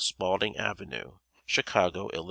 Spaulding Avenue, Chicago, Ill.